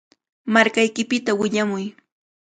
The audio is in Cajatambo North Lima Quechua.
Markaykipita willamuy.